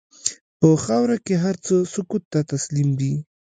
په خاوره کې هر څه سکوت ته تسلیم دي.